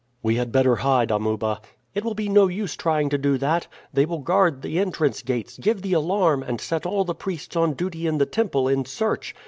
"We had better hide, Amuba." "It will be no use trying to do that. They will guard the entrance gates, give the alarm, and set all the priests on duty in the temple in search.